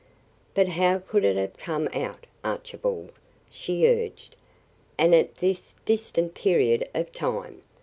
"But how could it have come out, Archibald?" she urged, "and at this distant period of time?"